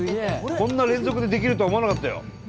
こんな連続でできるとは思わなかったよ。